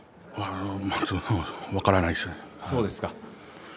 分からないです。